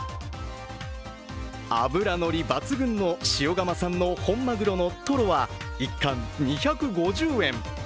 脂のり抜群の塩釜産の本まぐろのトロは１貫２５０円。